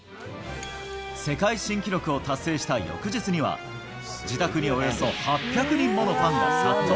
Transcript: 世界新記録を達成した翌日には、自宅におよそ８００人ものファンが殺到。